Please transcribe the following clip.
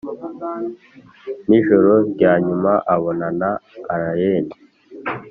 nijoro ryanyuma abonana allayne.